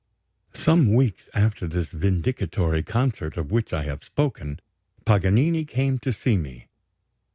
_... Some weeks after this vindicatory concert of which I have spoken, Paganini came to see me.